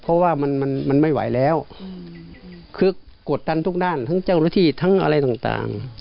เพราะว่ามันมันไม่ไหวแล้วคือกดดันทุกด้านทั้งเจ้าหน้าที่ทั้งอะไรต่าง